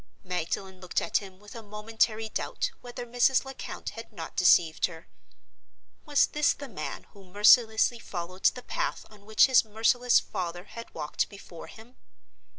Magdalen looked at him with a momentary doubt whether Mrs. Lecount had not deceived her. Was this the man who mercilessly followed the path on which his merciless father had walked before him?